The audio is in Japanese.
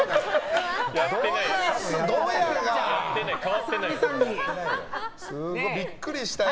やってないよ。